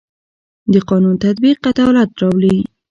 د قانون تطبیق عدالت راولي